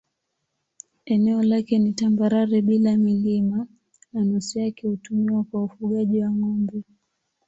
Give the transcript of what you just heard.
Eneo lake ni tambarare bila milima na nusu yake hutumiwa kwa ufugaji wa ng'ombe.